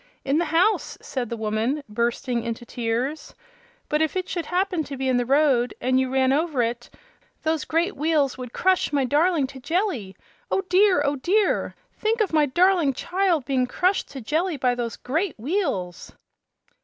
"In the house," said the woman, bursting into tears; "but if it should happen to be in the road, and you ran over it, those great wheels would crush my darling to jelly. Oh dear! oh dear! Think of my darling child being crushed into jelly by those great wheels!"